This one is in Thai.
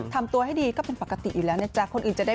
ทำตัวให้ดีก็เป็นปกติอยู่แล้วเนี่ยจ๊ะ